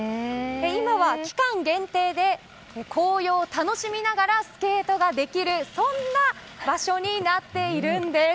今は、期間限定で紅葉を楽しみながらスケートができるそんな場所になっているんです。